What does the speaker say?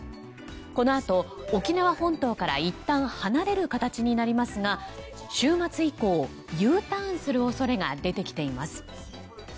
このあと沖縄本島からいったん離れる形になりますが週末以降、Ｕターンする恐れが出てきています。